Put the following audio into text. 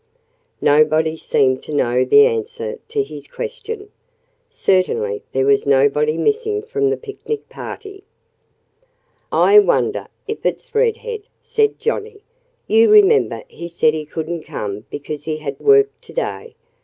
Nobody seemed to know the answer to his question. Certainly there was nobody missing from the picnic party. "I wonder if it's Red Head!" said Johnnie. "You remember he said he couldn't come because he had work to day.